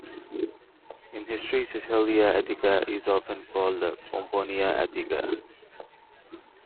In history Caecilia Attica is often called Pomponia Attica.